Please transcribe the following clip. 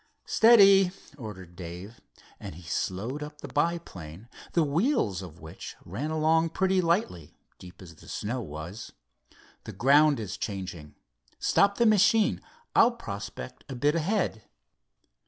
"Steady," ordered Dave, and he slowed up the biplane, the wheels of which ran along pretty lightly, deep as the snow was. "The ground is changing. Stop the machine. I'll prospect a bit ahead."